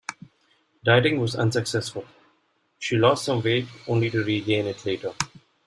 Dieting was unsuccessful; she lost some weight only to regain it later.